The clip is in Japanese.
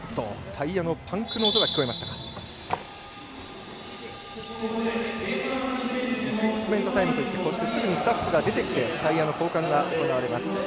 イクイップメントタイムといってこうしてすぐにスタッフが出てきてタイヤの交換が行われます。